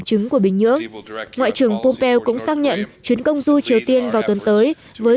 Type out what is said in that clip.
chứng của bình nhưỡng ngoại trưởng pompeo cũng xác nhận chuyến công du triều tiên vào tuần tới với